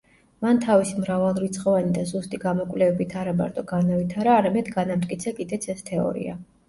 მან თავისი მრავალრიცხოვანი და ზუსტი გამოკვლევებით არა მარტო განავითარა, არამედ განამტკიცა კიდეც ეს თეორია.